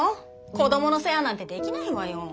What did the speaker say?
子どもの世話なんてできないわよ。